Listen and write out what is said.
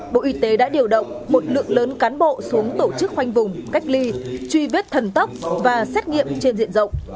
bộ y tế đã điều động một lượng lớn cán bộ xuống tổ chức khoanh vùng cách ly truy vết thần tốc và xét nghiệm trên diện rộng